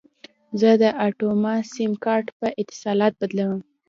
زه د اټوما سیم کارت په اتصالات بدلوم.